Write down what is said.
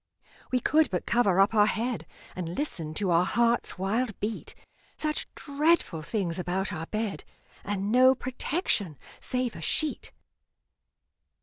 We could but cover up our head, And listen to our heart's wild beat Such dreadful things about our bed, And no protection save a sheet!